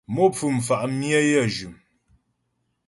Mo pfú mfà' myə yə jʉm.